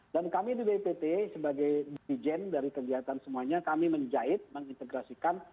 dan kami di bppt sebagai dijen dari kegiatan semuanya kami menjahit menintegrasikan